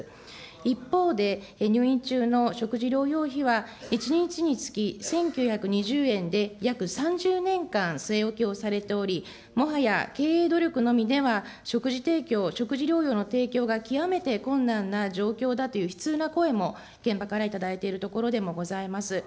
一方で、入院中の食事療養費は、１日につき１９２０円で約３０年間据え置きをされており、もはや経営努力のみでは食事提供、食事療養の提供が極めて困難な状況だという悲痛な声も現場から頂いているところでもございます。